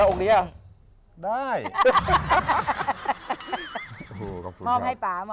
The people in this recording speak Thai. อ๋อขอบคุณครับมอบให้ป๋ามอบให้ป๋า